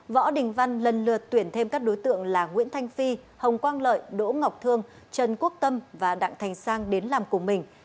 võ đình văn lần lượt tuyển thêm các đối tượng là nguyễn thanh phi hồng quang lợi đỗ ngọc thương trần quốc tâm và đặng thành sang đến làm cùng mình